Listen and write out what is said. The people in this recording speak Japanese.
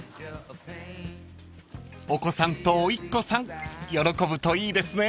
［お子さんとおいっ子さん喜ぶといいですね］